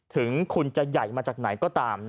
ถึงคุณจะใหญ่มาจากไหนก็ตาม